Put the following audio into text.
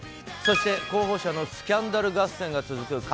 そして候補者のスキャンダル合戦が続く